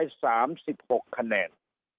ได้๓๖คะแนน